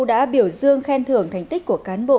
đã biểu dương khen thưởng thành tích của cán bộ